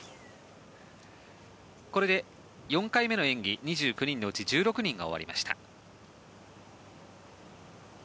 これで４回目の演技２９人のうち１６人が終わりました。